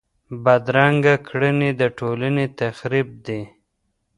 بدرنګه کړنې د ټولنې تخریب دي